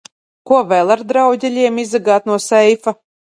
Ko vēl ar drauģeļiem izzagāt no seifa?